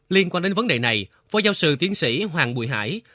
liên quan đến vấn đề này phó giáo sư tiến sĩ hoàng bùi hải